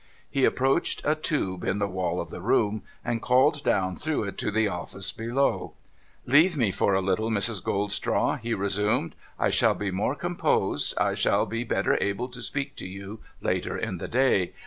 He approached a tube in the wall of the room, and called down through it to the office below. ' Leave me for a little, Mrs. Gold straw,' he resumed ;' I shall be more composed, I shall be better able to speak to you later in the day.